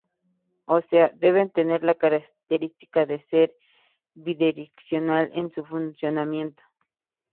O sea, debe tener la característica de ser bidireccional en su funcionamiento.